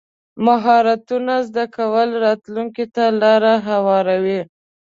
مهارتونه زده کول راتلونکي ته لار هواروي.